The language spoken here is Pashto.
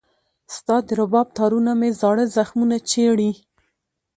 ستا د رباب تارونه مې زاړه زخمونه چېړي